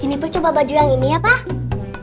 juniper coba baju yang ini ya pak